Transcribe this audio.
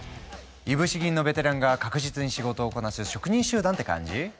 いぶし銀のベテランが確実に仕事をこなす職人集団って感じ？